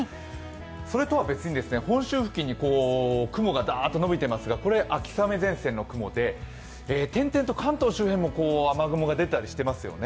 それとは別に本州付近に、雲がだーっと延びてますがこれ、秋雨前線の雲で、点々と関東周辺も雨雲が出たりしていますよね。